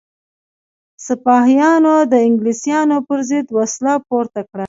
سپاهیانو د انګلیسانو پر ضد وسله پورته کړه.